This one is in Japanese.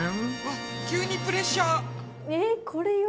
急にプレッシャー。